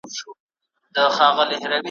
چي دا ټوله د دوستانو برکت دی ,